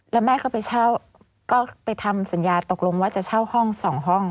แล้วแม่ก็ไปทำสัญญาตกลงว่าจะเช่าห้องสองห้อง